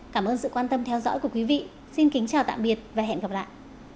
cảm ơn sự quan tâm theo dõi của quý vị xin kính chào tạm biệt và hẹn gặp lại